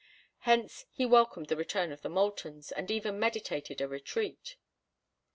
Hence he welcomed the return of the Moultons, and even meditated a retreat.